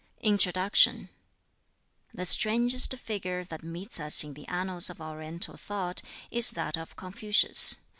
INTRODUCTION The strangest figure that meets us in the annals of Oriental thought is that of Confucius.